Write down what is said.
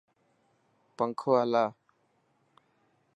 پنکو هلا.